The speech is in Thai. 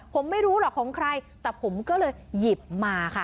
ผมไม่รู้หรอกของใครแต่ผมก็เลยหยิบมาค่ะ